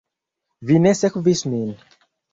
Vi ne sekvis min.